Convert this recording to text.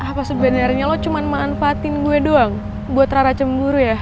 apa sebenarnya lo cuma manfaatin gue doang buat rara cemburu ya